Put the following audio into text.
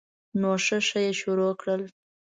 نو شه شه یې شروع کړل.